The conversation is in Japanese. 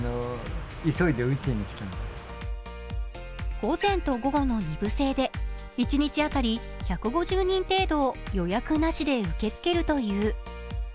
午前と午後の２部制で一日当たり１５０人程度を予約なしで受け付けるという。